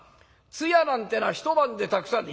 通夜なんてのは１晩でたくさん」。